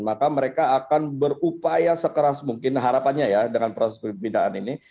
maka mereka akan berupaya sekeras mungkin harapannya ya dengan proses pembinaan ini